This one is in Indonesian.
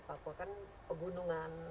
papua kan pegunungan